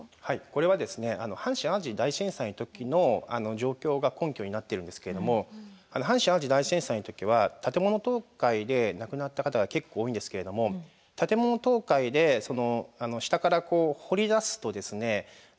はいこれはですね阪神・淡路大震災の時の状況が根拠になっているんですけれども阪神・淡路大震災の時は建物倒壊で亡くなった方が結構多いんですけれども建物倒壊で下から掘り出すとですね